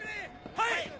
はい！